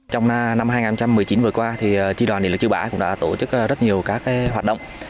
trong năm hai nghìn một mươi chín vừa qua tri đoàn điện lực chư bãi cũng đã tổ chức rất nhiều các hoạt động